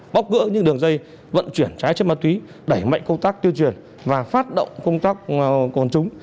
bóc gỡ những đường dây vận chuyển trái chất ma túy đẩy mạnh công tác tuyên truyền và phát động công tác còn trúng